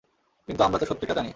কিন্তু আমরা তো সত্যিটা জানি।